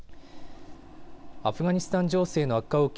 アフガニスタン情勢の悪化を受け